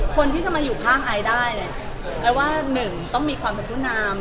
คนที่จะมาอยู่ข้างไอได้เนี่ยไอว่าหนึ่งต้องมีความเป็นผู้นำ